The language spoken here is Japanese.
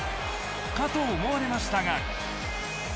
かと思われましたが。